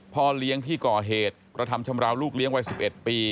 พ่อเลี้ยงที่ก่อเหตุกระทำชำราวลูกเลี้ยงวัย๑๑ปี